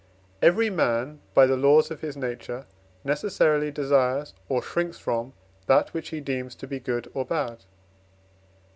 Every man, by the laws of his nature, necessarily desires or shrinks from that which he deems to be good or bad.